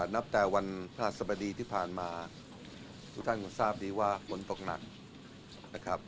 นับแต่วันพระหัสบดีที่ผ่านมาทุกท่านคงทราบดีว่าฝนตกหนักนะครับ